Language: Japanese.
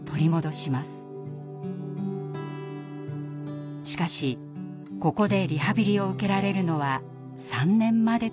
しかしここでリハビリを受けられるのは３年までと決められています。